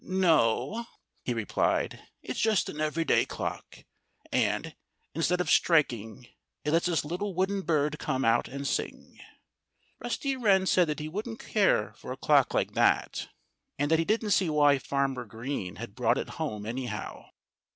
"No!" he replied. "It's just an everyday clock. And, instead of striking, it lets this little wooden bird come out and sing." Rusty Wren said that he wouldn't care for a clock like that and that he didn't see why Farmer Green had brought it home, anyhow.